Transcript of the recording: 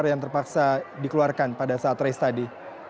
apakah anda terpaksa dikeluarkan pada saat race tadi